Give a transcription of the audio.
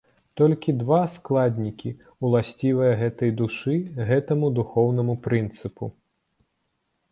Толькі два складнікі ўласцівыя гэтай душы, гэтаму духоўнаму прынцыпу.